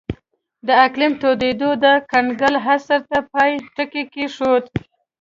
د اقلیم تودېدو د کنګل عصر ته پای ټکی کېښود.